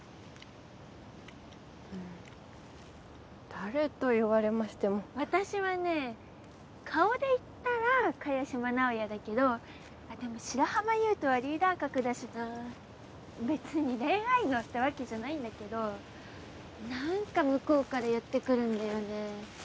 誰と言われましても私はね顔でいったら萱島直哉だけどあっでも白浜優斗はリーダー格だしなあべつに恋愛脳ってわけじゃないんだけど何か向こうから寄ってくるんだよね